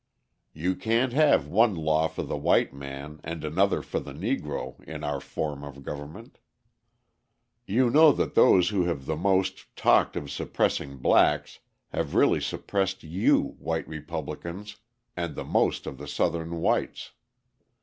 You can't have one law for the white man and another for the Negro in our form of government. You know that those who have the most talked of suppressing blacks have really suppressed you, white Republicans, and the most of the Southern whites.